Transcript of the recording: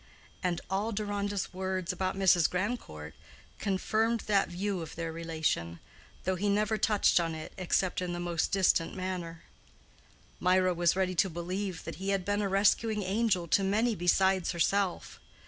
And all Deronda's words about Mrs. Grandcourt confirmed that view of their relation, though he never touched on it except in the most distant manner. Mirah was ready to believe that he had been a rescuing angel to many besides herself.